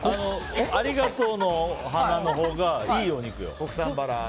ありがとうの花のほうがいいお肉よ。